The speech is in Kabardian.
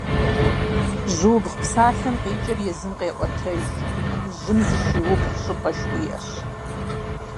«Жьыубгъу» псалъэм къикӀыр езым къеӀуэтэж: «жьым зыщиубгъу щӀыпӀэ» жыхуиӀэщ.